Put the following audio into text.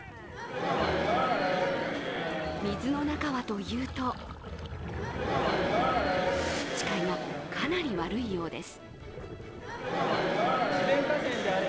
水の中はというと視界がかなり悪いようです。